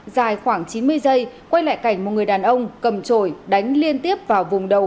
dài khoảng chín mươi giây quay lại cảnh một người đàn ông cầm trổi đánh liên tiếp vào vùng đầu